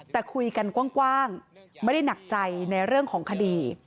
แต่คุยกันกว้างไม่ได้หนักใจในเรื่องของคดี